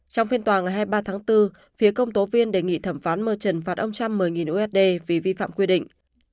trong phiên tòa ngày hai mươi ba tháng bốn phía công tố viên đề nghị thẩm phán mur trần phạt ông trump một mươi usd vì vi phạm quy định